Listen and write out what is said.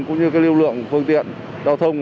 cũng như lưu lượng phương tiện giao thông